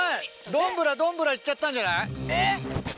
どんぶらどんぶらいっちゃったんじゃない⁉